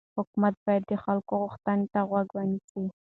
حکومت باید د خلکو غوښتنو ته غوږ ونیسي